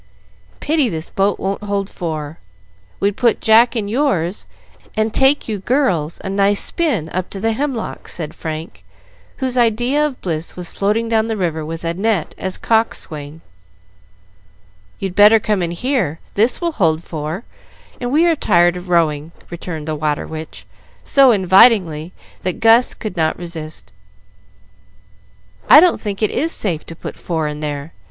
"Pity this boat won't hold four. We'd put Jack in yours, and take you girls a nice spin up to the Hemlocks," said Frank, whose idea of bliss was floating down the river with Annette as coxswain. "You'd better come in here, this will hold four, and we are tired of rowing," returned the "Water Witch," so invitingly that Gus could not resist. "I don't think it is safe to put four in there.